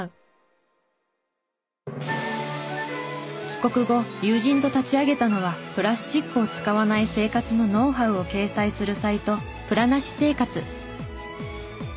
帰国後友人と立ち上げたのはプラスチックを使わない生活のノウハウを掲載するサイト「プラなし生活」。